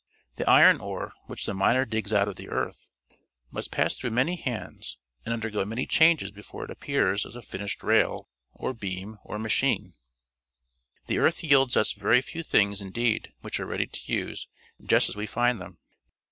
The iron ore, which the miner digs out of the earth, must pass through many hands and undergo many changes before it appears as a finished rail, or beam, or machine. The earth yields us very few things indeed which are ready for use just as we find them.